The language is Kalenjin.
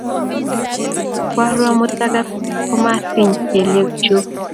Kwaru amut lagat komasiny kelek chuk